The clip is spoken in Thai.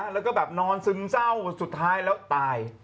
แล้วก็แบบนอนซึมเศร้าสุดท้ายแล้วตาย